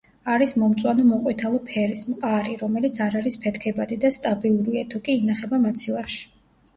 არის მომწვანო-მოყვითალო ფერის, მყარი, რომელიც არ არის ფეთქებადი და სტაბილურია, თუ კი ინახება მაცივარში.